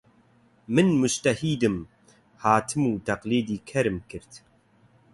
من موجتەهیدم، هاتم و تەقلیدی کەرم کرد